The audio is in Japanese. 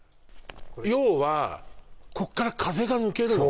要はこっから風が抜けるの？